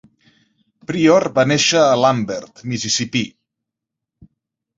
Pryor va néixer a Lambert, Mississippí.